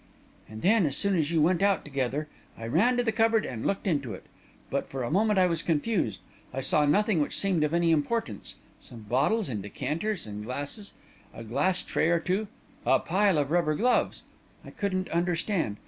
"And then, as soon as you went out together, I ran to the cupboard and looked into it. But for a moment I was confused I saw nothing which seemed of any importance some bottles and decanters and glasses, a glass tray or two, a pile of rubber gloves. I couldn't understand.